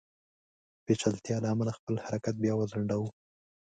پېچلتیا له امله خپل حرکت بیا وځنډاوه.